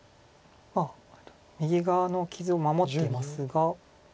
右側の傷を守ってますが。